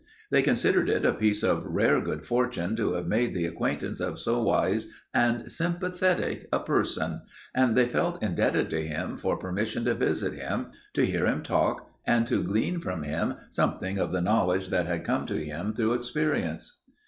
They considered it a piece of rare good fortune to have made the acquaintance of so wise and sympathetic a person and they felt indebted to him for permission to visit him, to hear him talk, and to glean from him something of the knowledge that had come to him through experience.